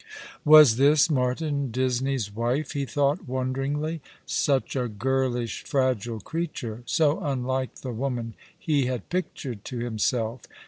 i Was this Martin Disney's wife, he thought wonderingly — such a girlish fragile creature — so unlike the woman he had pictured to himself?